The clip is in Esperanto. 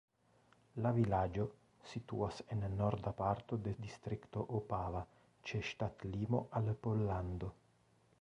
La vilaĝo situas en norda parto de distrikto Opava ĉe ŝtatlimo al Pollando.